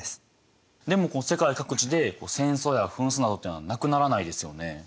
でも世界各地で戦争や紛争などっていうのはなくならないですよね。